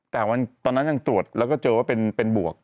แต่ตอนนั้นยังตรวจแล้วก็เจอว่าเป็นบวก